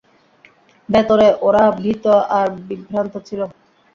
ভেতরে ওরা ভীত আর বিভ্রান্ত ছিল!